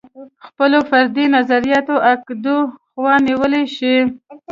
د خپلو فردي نظریاتو او عقدو خوا نیولی شي.